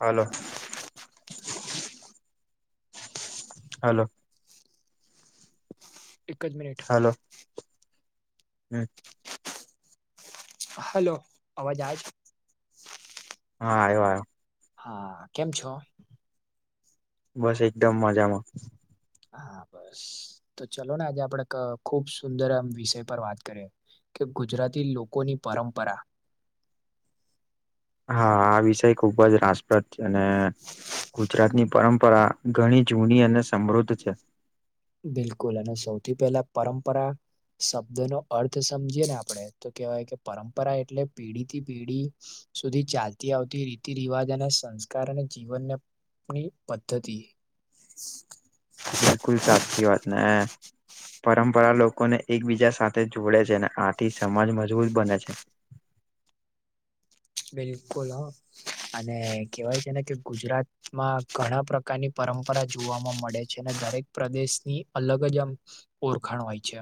હાલો hello એક જ minute hello હમ hello અવાજ આવે છે હા આવ્યો આવ્યો હા કેમ છો બસ એકદમ મજામાં હા બસ તો ચલો ને આજે આપણેે ખુબ સુંદર આમ વિષય પર વાત કરીએ કે ગુજરાતી લોકોની પરંપરા હા આ વિષય ખુબ જ રાસપ્રદ છે અને ગુજરાતની પરંપરા ઘણી જૂની અને સમૃદ્ધ છે બિલકુલ અને સૌથી પહેલા પરંપરા શબ્દ નો અર્થ સમજીએ ને આપણે તો કેહેવાય કે પરંપરા એટલે પેઢી થી પીઢી સુધી ચાલતી આવતી રીતિ રિવાજ અને સંસ્કાર અને જીવનને ની પદ્ધતિ બિલકુલ સાચી વાત ને પરંપરા લોકોને એકબીજા સાથે જોડે છે અને આથી સમાજ મજબૂત બને છે [unintelligible] બિલકુલ હ અને કેહેવાય છે ને કે ગુજરાતમાં ઘણા પ્રકારની પરંપરા જોવાવામાં મળે છે અને દરેક પ્રદેશની અલગ જ આમ ઓરખાણ હોય છે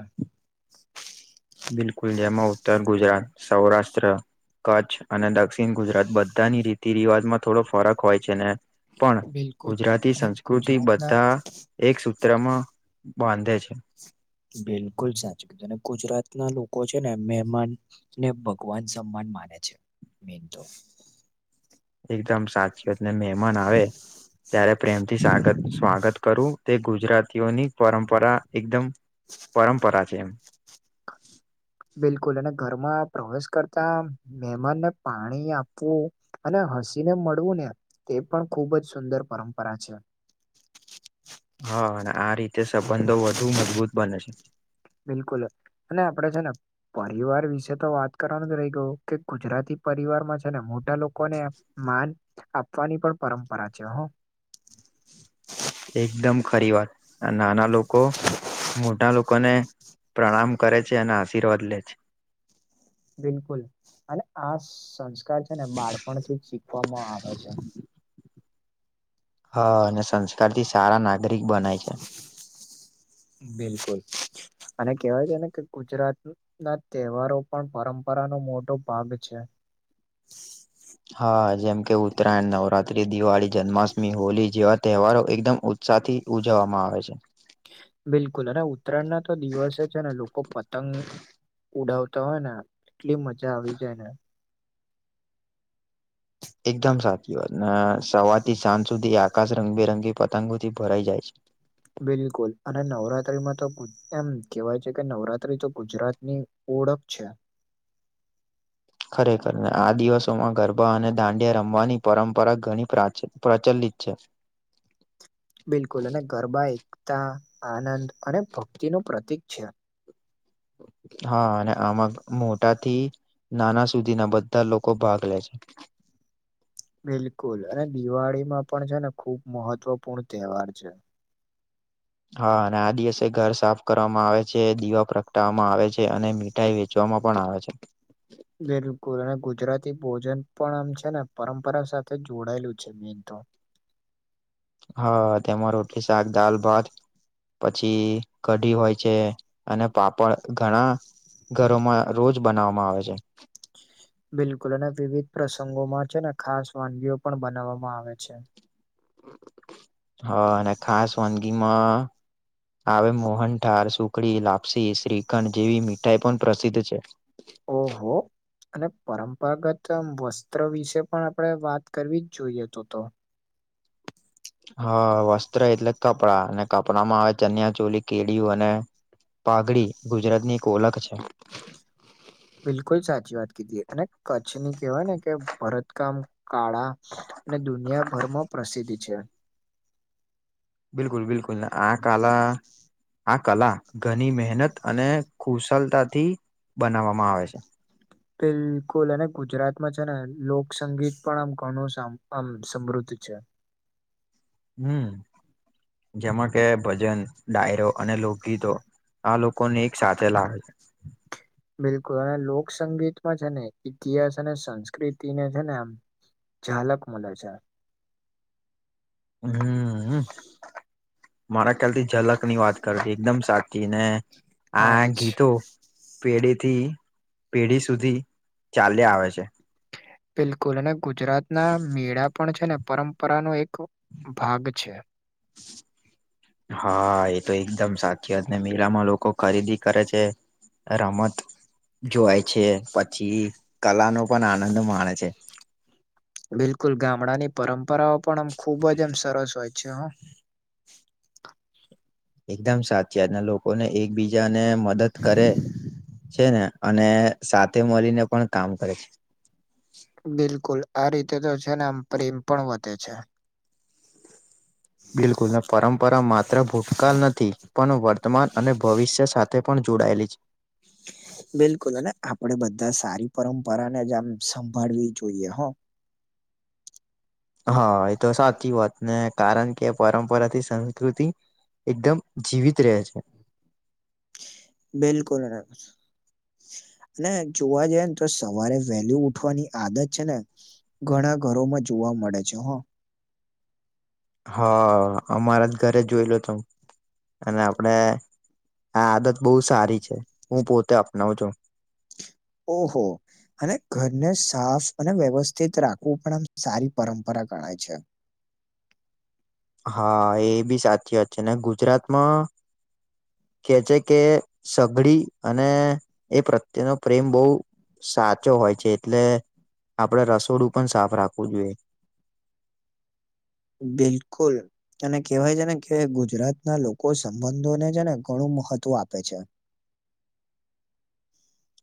બિલકુલ જેમાં ઉત્તર ગુજરાત સૌરાષ્ટ્ર કચ્છ અને દક્ષિણ ગુજરાત બધાની રીતિ રિવાજમાં થોડો ફરક હોય છે ને પણ બિલકુલ ગુજરાતી અને સંસ્કૃતિ ગુજરાતના બધા એક સૂત્રમાં બાંધે છે બિલકુલ સાચુ કીધું અને ગુજરાતના લોકો છે ને મહેમાન ને ભગવાન સમ્માન મને છે મીન્ટુ એકદમ સાચી વાત ને મેહમાન આવે ત્યારે પ્રેમથી સ્વાગત સ્વાગત કરું તે ગુજરાતીઓની પરંપરા એકદમ પરંપરા કેમ બિલકુલ અને ઘરમાં પ્રવેશ કરતા મહેમાનને પાણી આપવું અને હસી ને મળવું ને તે પણ ખુબ જ સુંદર પરંપરા છે હા અને આ રીતે સંબંધો વધુ મજબૂત બને છે બિલકુલ અને આપડે છે ને પરિવાર વિશે તો વાત કરવાનું જ રહી ગયું કે ગુજરાતી પરિવારમાં છે ને મોટા લોકોને માન આપવાની પણ પરંપરા છે એકદમ ખરી વાત નાના લોકો મોટા લોકો લોકોને પ્રણામ કરે છે અને આશીર્વાદ લે છે બિલકુલ અને આ સંસ કાર છે ને બાળપણ થી શીખવામાં આવે છે હા અને સંસ્કારથી સારા નાગરિક બનાય છે બિલકુલ અને કેહેવાય છે ને કે ગુજરાત ના તહેવારો પણ પરમ પરાનો મોટો ભાગ છે [inaudible] હા જેમકે ઉત્તરાયણ નવરાત્રી દિવાળી જન્માષ્ટમી હોલી જેવા તહેવારો એકદમ ઉ સાથી ઉજવવામાં આવે છે બિલકુલ અને ઉત્તરાયણ ના તો દિવસે છે ને લોકો પતંગ ઉડાવતા હોય ને એટલી મજા આવી જાય ને. એકદમ સાચી વાત સવારથી સાંજ સુધી આકાશ રંગબેરંગી પતંગોથી ભરાઈ જાય છે. બિલકુલ અને નવરાત્રીમાં તો એમ કહેવાય છે કે નવરાત્રી તો ગુજરાતની ઓળખ છે. ખરેખર ને આ દિવસોમાં ગરબા અને દાંડિયા રમવાની પરંપરા ઘણી પ્રાચી પ્રચલિત લિત છે. બિલકુલ અને ગરબા એકતા, આનંદ અને ભક્તિનું પ્રતીક છે. હા અને આમાં મો ટાથી નાના સુધીના બધા લોકો ભાગ લે છે. બિલકુલ અને દિવાળીમાં પણ છે ને ખૂબ મહત્વપૂર્ણ તહેવાર છે. હા અને આ દિવસે ઘર સાફ કરવામાં આવે છે દીવ પ્રગટાવવામાં આવે છે અને મીઠાઈ વેચવામાં માં પણ આવે છે. બિલકુલ અને ગુજરાતી ભોજન પણ આમ છે ને પરંપરા સાથે જોડાયેલું છે મેન તો. હા તેમાં રોટલી, શાક, દાલ, ભાત પછી કઢી હોય છે અને પાપડ ઘણા ઘરોમાં રોજ બનાવવામાં આવે છે. બિલકુલ અને વિવિધ પ્રસંગોમાં છે ને ખાસ વાનગીઓ પણ બનાવવામાં આવે છે. હા અને ખાસ વાનગીમાં આવે મોહનઠાર, સુખડી, લાપસી, શ્રીખંડ જેવી મીઠાઈ પણ પ્રસિદ્ધ છે. ઓહો અને પરંપરાગત વસ્ત્ર વિશે પણ આપણે વાત કરવી જ જોઈએ તો તો. હા, વસ્ત્ર એટલે કપડાં અને કપડા માં આવે ચન્યા ચોલી, કેડિયું અને પાગડી ગુજરાતની એક ઓળખ છે. બિલકુલ સાચી વાત કીધી અને કચ્છની કવાય ને કે ભરતકામ કાળા અને દુનિયાભરમાં પ્રસિદ્ધ છે. બિલકુલ બિલકુલ આ કાલા આ કલા ઘણી મહેનત અને કુશલતાથી બનાવવામાં આવે છે. બિલકુલ અને ગુજરાતમાં છે ને લોકસંગીત પણ આમ ઘણું આમ સમૃદ્ધ અચ્છા. હમ્મ, જેમાં કે ભજન, ડાયરો અને લોકગીતો આ લોકોને એક સાથે લાવે છે. બિલકુલ અને લોક સંગીતમાં છે ને ઇતિહાસ અને સંસ્કૃતિને છે ને આમ ઝાલક મલેે છે. હમ્મ હમ્મ. મારા ખ્યાલથી ઝલક ની વાત કરતી એકદમ સાચી ને હા આ એ જ ગીતો પેઢી થી પેઢી સુધી ચાલ્યા આવે છે. બિલકુલ અને ગુજરાત ના મેળા પણ છે ને પરંપરાનો એક ભાગ છે. [unintelligible] હા, એ તો એકદમ સાચીત ને મેળામાં લોકો ખરીદી કરે છે રમત જોય છે પછી કલા નો પણ આનંદ માણે છે. બિલકુલ ગામડાની પરંપરાઓ પણ આમ ખુબ જ એમ સરસ હોય છે હો. એકદમ સાચીત ને લોકોને એકબીજા ને મદદ કરે છે ને અને સાથે મળીને પણ કામ કરે છે. બિલકુલ આ રીતે તો છે ને આમ પ્રેમ પણ વધે છે. બિલકુલ પરંપરા માત્ર ભૂતકાળ નથી પણ વર્તમાન અને ભવિષ્ય સાથે પણ જોડાયેલી છે. બિલકુલ અને આપણેે બધા સારી પરંપરાને જ આમ સંભાળવી જોઈએ હ [unintelligible] હા એ તો સાચી વાત ને કારણ કે પરંપરાથી સંસ્કૃતિ એકદમ જીવિત રહે છે. બિલકુલ. અને જોવા જઈ ને તો સવારે વેલી ઉઠવાની આદત છે, ને ઘણા ઘરોમાં જોવા મળે છે, હા હા અમારા જ ઘરે જોય લો [unintelligible] હું અને આપડે આ આદત બહુ સારી છે, હું પોતે અપનાવ છો ઓહો અને ઘરને સાફ અને વ્યવસ્થિત રાખવું પણ આમ સારી પરંપરા ગણાય છે. હા એ બી સાચીત છે, ને ગુજરાતમાં કે છે, કે સઘડી અને એ પ્રત્યેનો પ્રેમ બહુ સાચો હોય છે, એટલે આપડે રસોડું પણ સાફ રાખવું જોઈએ. [unintelligible] બિલકુલ અને કેવાય છે, ને કે ગુજરાત ના લોકો સંબંધોને છે, ને ઘણું મહત્વ આપે છે. [unintelligible]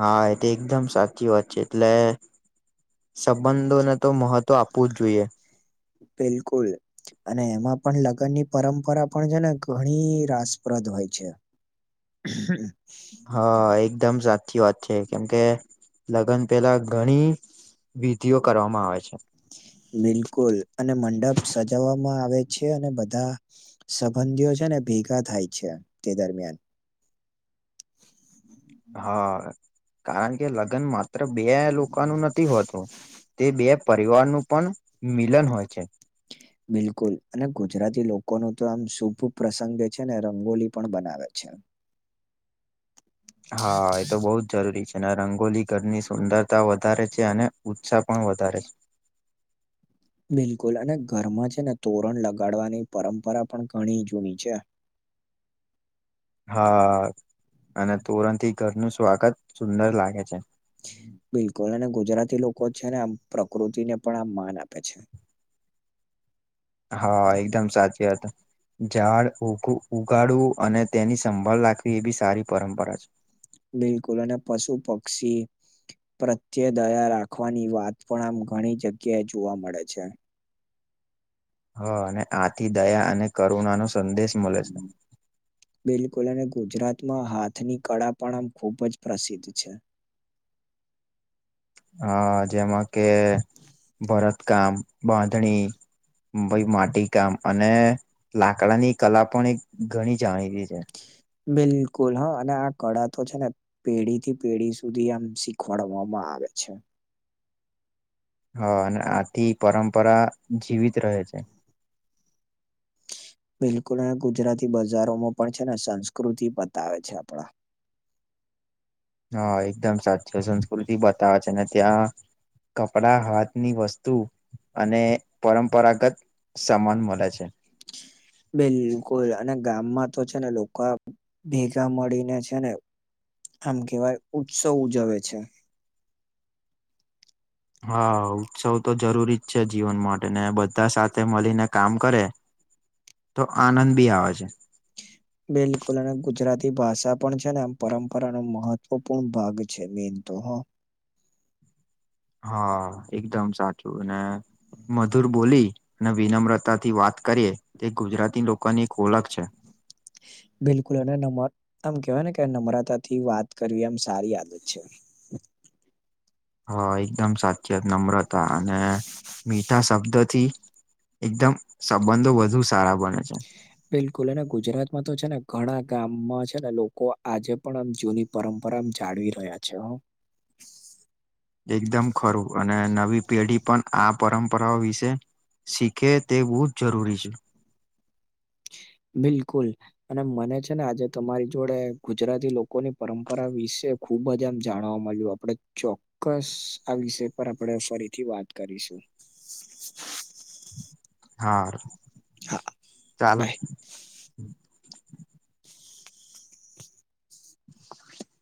હા એ તો એકદમ સાચી વાત છે, એટલે સંબંધોને તો મહત્વ આપવું જ જોઈએ. બિલકુલ અને એમાં પણ લગ્ન ની પરંપરા પણ છે, ને ઘણી રાસપ્રદ હોય છે. હા એકદમ સાચ [unintelligible] વાત છે, કેમકે લગ્ન પહેલા ઘણી વિધિઓ કરવામાં આવે છે. બિલકુલ અને મંડપ સજાવવામાં આવે છે, અને બધા સંબંધીઓ છે, ને ભેગા થાય છે, તે દરમિયાન હા, કારણ કે લગ્નમાં બે લોકોનું નથી હોતું તે બે પરિવારનું પણ મિલન હોય છે. બિલકુલ અને ગુજરાતી લોકો ન તો આમ શુભ પ્રસંગ છે, ને રંગોલી પણ બનાવે છે. [inaudible] હા, એ તો બહુ જ જરૂરી છે. તેના રંગોલી ઘરની સુંદરતા વધારે છે, અને ઉત્સાહ પણ વધારે છે. બિલકુલ અને ઘરમાં છે, ને તોરણ લગાડવાની પરંપરા પણ ઘણી જૂની છે. હા અને તોરણ ઘરનું સ્વાગત સુંદર લાગે છે. બિલકુલ અને ગુજરાતી લોકો છે, ને આમ પ્રકૃતિને પણ આ માન આપે છે. હા, એકદમ સાચી વાત ઝાડ ઉઘ ઉગાડવું અને તેની સંભાળ રાખવી એ બી સારી પરંપરા છે. બિલકુલ અને પશુ પક્ષી પ્રત્યે દયા રાખવાની વાત પણ આમ ઘણી જગ્યાએ જોવા મળે છે. હ, અને આથી દયા અને કરુણાનો સંદેશ મળે છે. બિલકુલ અને ગુજરાતમાં હાથની કળા પણ આમ ખૂબ જ પ્રસિદ્ધ છે. હ, જેમાં કે ભરતકામ, બાંધણી ભાઈ માટી કામ અને લાકડાની કલા પણ એક ઘણી જાણીતી છે. બિલકુલ હા અને આ કળા તો છે, ને પેઢી થી પેઢી સુધી આમ શીખવાડવામાં હા, આગ છે. હા, અને આથી પરંપરા જીવિત રહે છે. [unintelligible] બિલકુલ અને ગુજરાતી બજારોમાં પણ છે ને સંસ્કૃતિ બતાવે છે આપણા હા, એકદમ સાચી સંસ્કૃતિ બતાવે છે, ને ત્યાં કપડા હાથ ની વસ્તુ અને પરંપરાગત સમાન મળે છે. બિલકુલ અને ગામમાં તો છે ને લોકો ભેગા મળીને છે ને આમ કહેવાય ઉત્સવ ઉજવે છે. હા ઉત્સવ તો જરૂરી જ છે જીવન માટે ને બધા સાથે મળીને કામ કરે તો આનંદ બી આવે છે. બિલકુલ અને ગુજરાતી ભાષા પણ છે ને આમ પરંપરાનો મહત્વપૂર્ણ ભાગ છે. ભીન તો હ [inaudible] હા, એકદમ સાચું અને મધુર બોલી અને વિનમ્રતાથી વાત કરીએ તે ગુજરાતી લોકોની એક ઓળખ છે. [unintelligible] બિલકુલ અને નમ ઉત્તમ કેહેવાયને કે નમ્રતા થી વાત કરવી એમ સારી આદત છે. [unintelligible] હ, એકદમ સાચી વાત નમ્રતા અને મીઠા શબ્દથી એકદમ સંબંધો વધુ સારા બને છે. બિલકુલ અને ગુજરાતમાં તો છે ને ઘણા ગામમાં છે ને લોકો આજે પણ આમ જૂની પરંપરા પરરમ જાળવી રહ્યા છે. હ એકદમ ખરું અને નવી પેઢી પણ આ પરંપરાઓ વિશે શીખે તેવું જરૂરી છે. [unintelligible] બિલકુલ અને મને છે ને આજે તમારી જોડે ગુજરાતી લોકોની પરંપરા વિશે ખુબ જ આમ જાણવા મળ્યું આપણે ચોક્કસ આ વિષય પર આપણે ફરીથી વાત કરીશ છે હા હા ચાલો બાય [unintelligible]